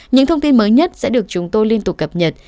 những thông tin mới nhất sẽ được chúng tôi liên tục cập nhật